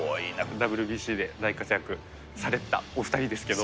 ＷＢＣで大活躍されたお２人ですけど。